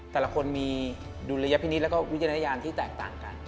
แต่ละคนมีดุลยพินิษฐ์แล้วก็วิจารณญาณที่แตกต่างกัน